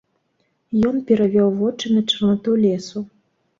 Ён перавёў вочы на чарнату лесу.